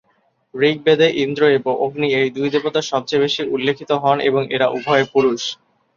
ঋগ্বেদে ইন্দ্র এবং অগ্নি এই দুই দেবতা সবচেয়ে বেশি উল্লিখিত হন এবং এরা উভয়ে পুরুষ।